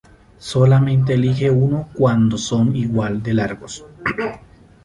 Solamente elige uno cuando son igual de largos.